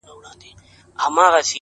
ورته ښکاري ځان له نورو چي ښاغلی-